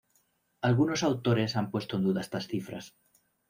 Algunos autores han puesto en duda estas cifras.